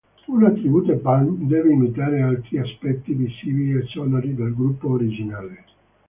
Una "tribute band" deve imitare altri aspetti visivi o sonori del gruppo originale.